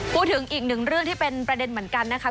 พูดถึงอีกหนึ่งเรื่องที่เป็นประเด็นเหมือนกันนะคะ